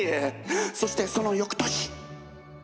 そしてその翌年。